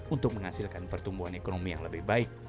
untuk menghasilkan pertumbuhan ekonomi yang lebih baik